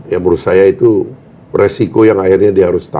ya menurut saya itu resiko yang akhirnya dia harus tahu